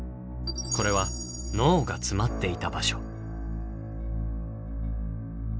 これは脳が詰まっていた場所。